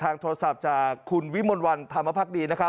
โทรศัพท์จากคุณวิมลวันธรรมภักดีนะครับ